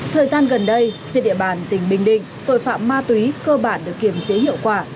thời gian gần đây trên địa bàn tỉnh bình định tội phạm ma túy cơ bản được kiềm chế hiệu quả